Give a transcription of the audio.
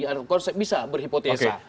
ada konsep bisa berhipotesa